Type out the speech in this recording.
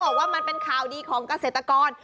บอกว่ามันเป็นข่าวดีของเกษตรกร